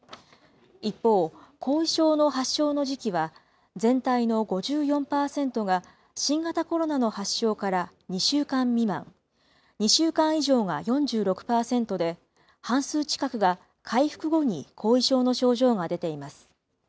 一方、後遺症の発症の時期は全体の５４％が新型コロナの発症から２週間未満、２週間以上が４６％で、半数近くが回復後に後遺症の症状が出ています。